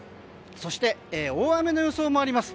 そして、大雨の予想もあります。